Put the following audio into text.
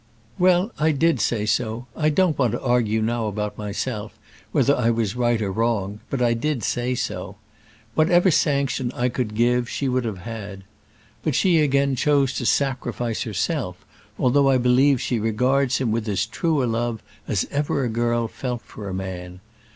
"Well; I did say so. I don't want to argue now about myself, whether I was right or wrong, but I did say so. Whatever sanction I could give she would have had. But she again chose to sacrifice herself, although I believe she regards him with as true a love as ever a girl felt for a man.